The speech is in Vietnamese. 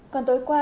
còn tối qua